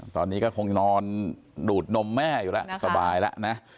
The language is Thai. ตอนนี้ก็คงนอนดูดนมแม่อยู่แล้วสบายแล้วนะ